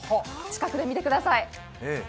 近くで見てください。